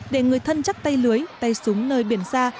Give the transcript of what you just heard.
để người thân chắc tay lưới tay súng nơi biển xa